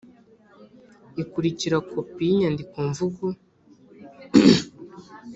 ikurikira Kopi y inyandikomvugo